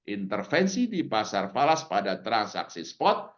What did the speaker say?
intervensi di pasar falas pada transaksi spot